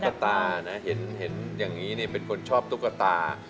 ตานะเห็นอย่างนี้เป็นคนชอบตุ๊กตา